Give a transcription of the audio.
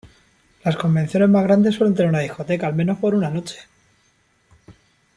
Las convenciones más grandes suelen tener una discoteca al menos por una noche.